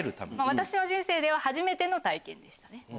私の人生では初めての体験でした。